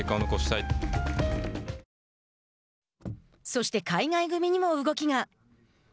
そして、海外組にも動きが。